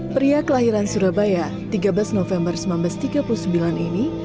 pria kelahiran surabaya tiga belas november seribu sembilan ratus tiga puluh sembilan ini